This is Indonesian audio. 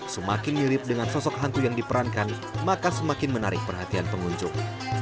semakin mirip dengan sosok hantu yang diperankan maka semakin menarik perhatian pengunjung